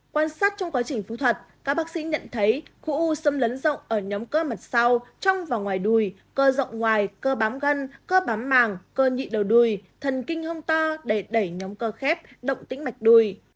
quan sát trong quá trình phẫu thuật các bác sĩ nhận thấy khu u xâm lấn rộng ở nhóm cơ mật sau trong và ngoài đùi cơ rộng ngoài cơ bám gân cơ bám màng cơ nhị đầu đùi thần kinh hông to để đẩy nhóm cơ khép động tĩnh mạch đùi